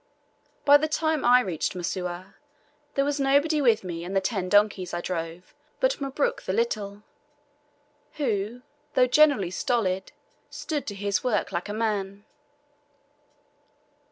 By the time I reached Msuwa there was nobody with me and the ten donkeys I drove but Mabruk the Little, who, though generally stolid, stood to his work like a man.